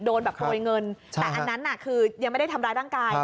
โดนแบบโกยเงินแต่อันนั้นน่ะคือยังไม่ได้ทำร้ายร่างกาย